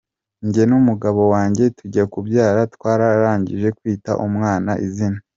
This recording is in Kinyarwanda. Njye n’umugabo wanjye tujya kubyara twararangije kwita umwana izina.